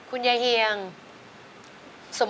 โอ้โฮ